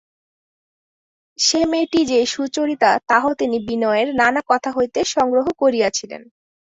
সে মেয়েটি যে সুচরিতা তাহাও তিনি বিনয়ের নানা কথা হইতে সংগ্রহ করিয়াছিলেন।